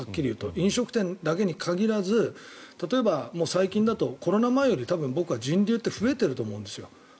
飲食店だけに限らず例えば、最近だとコロナ前より僕は人流って増えていると思うんですよ。